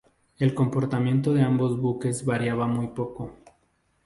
El comportamiento de ambos buques variaba muy poco.